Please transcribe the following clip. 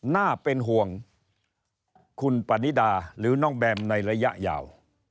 น่าเป็นห่วงคุณปณิดาหรือน้องแบมในระยะยาว